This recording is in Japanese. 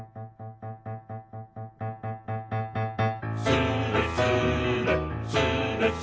「スレスレスレスレ」